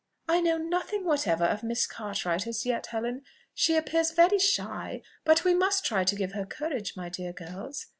"I know nothing whatever of Miss Cartwright as yet, Helen; she appears very shy, but we must try to give her courage, my dear girls.